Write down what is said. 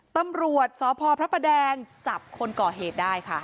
ตำรวจสพพระประแดงจับคนก่อเหตุได้ค่ะ